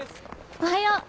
おはよう！